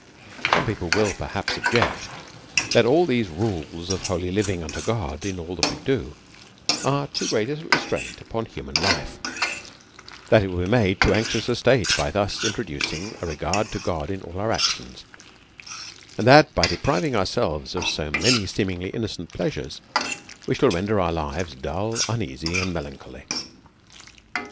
SOME people will perhaps object^ that all these rules of holy living unto God^ in all that we do, are too great a restraint upon human life ; that it will be made too anxious a state by thus introducing a regard to God in all our actions ; and that, by depriving our selves of so many seemingly innocent pleasures, we shall render our lives dull, uneasy, and melancholy.